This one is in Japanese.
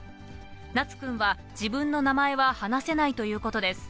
名都君は、自分の名前は話せないということです。